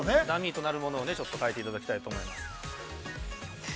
ダミーとなるものをちょっと書いていただきたいと思います。